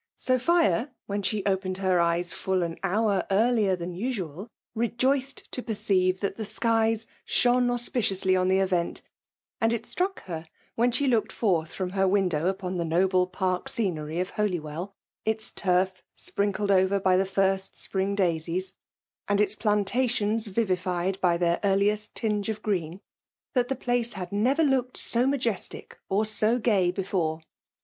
Sophia, when she opened her eyes full an hour earlier than usual, rejoiced to perceive that the skies shone auspiciously on the event ; and it struck het, when she looked forth from her window upon the noble park scenery of Holywell, its turf M^orinkled over by the first spring daisies, and ^6B0 FBHALe' DOMJKATION. • its plantations viviiied by their earliest tinge r • of green, that the place had never looked so 'majestic or so gay before.